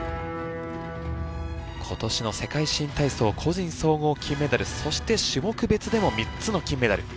今年の世界新体操個人総合金メダルそして種目別でも３つの金メダル。